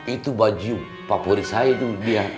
itu baju favorit saya itu dia